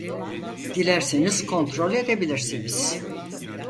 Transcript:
Dilerseniz kontrol edebilirsiniz